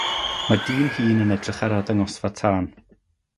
mae dyn hŷn yn edrych ar arddangosfa tân